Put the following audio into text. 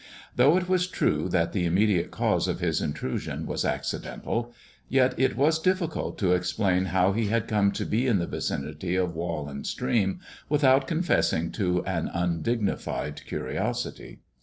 Though it was true that the immediate cause of his intrusion was accidental, yet it was difficult to explain how he had come to be in the vicinity of wall and stream, without con fessing to an undignified curiosity.